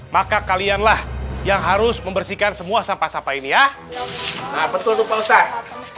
maka kalian lah yang harus membersihkan semua sampah sampah ini ya nah betul lupa ustadz